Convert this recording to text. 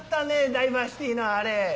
ダイバーシティのあれ。